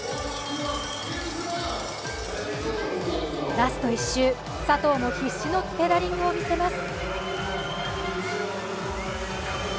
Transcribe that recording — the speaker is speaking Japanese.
ラスト１周、佐藤も必死のペダリングを見せます。